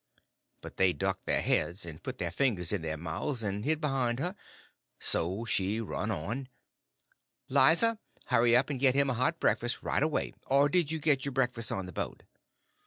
But they ducked their heads, and put their fingers in their mouths, and hid behind her. So she run on: "Lize, hurry up and get him a hot breakfast right away—or did you get your breakfast on the boat?"